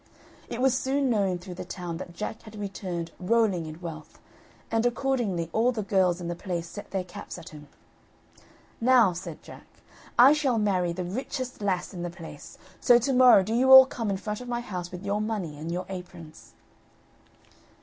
It was soon known through the town that Jack had returned rolling in wealth, and accordingly all the girls in the place set their caps at him. "Now," said Jack, "I shall marry the richest lass in the place; so tomorrow do you all come in front of my house with your money in your aprons."